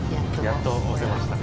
やっと押せました。